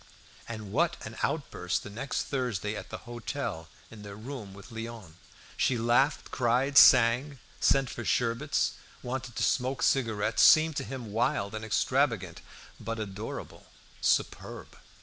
And what an outburst the next Thursday at the hotel in their room with Léon! She laughed, cried, sang, sent for sherbets, wanted to smoke cigarettes, seemed to him wild and extravagant, but adorable, superb.